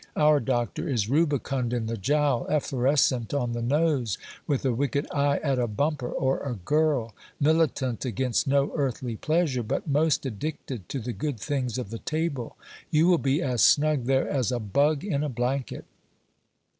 Our doctor is rubicund in the jowl, efflorescent on the nose, with a wicked eye at a bumper or a girl ; militant against no earthly pleasure, but most addicted to the good things of the table. You will be as snug there as a bug in a blanket.